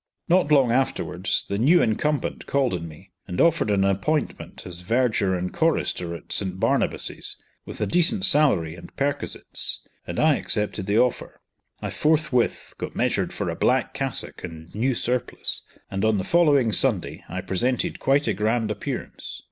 Not long afterwards the new incumbent called on me, and offered an appointment as verger and chorister at St. Barnabas's, with a decent salary and perquisites; and I accepted the offer. I forthwith got measured for a black cassock and new surplice, and on the following Sunday I presented quite a grand appearance.